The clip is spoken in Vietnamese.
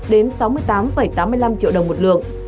đến sáu mươi tám tám mươi năm triệu đồng một lượng